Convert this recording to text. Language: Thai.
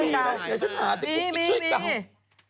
เดี๋ยวฉันอาจจะคุกกิ๊กช่วยเก่า